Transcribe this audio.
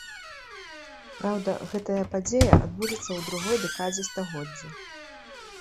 Праўда, гэтая падзея адбудзецца ў другой дэкадзе стагоддзя.